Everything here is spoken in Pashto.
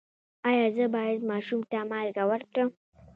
ایا زه باید ماشوم ته مالګه ورکړم؟